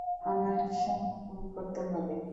আমার স্বপ্ন পূরণ করতে হবে!